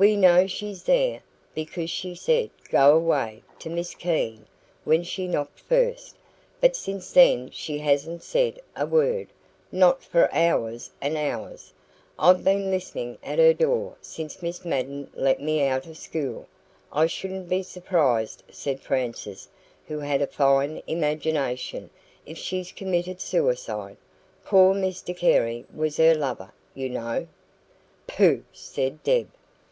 "We know she's there, because she said 'Go away' to Miss Keene when she knocked first; but since then she hasn't said a word not for hours and hours. I've been listening at her door since Miss Madden let me out of school. I shouldn't be surprised," said Frances, who had a fine imagination, "if she's committed suicide. Poor Mr Carey was her lover, you know." "Pooh!" said Deb.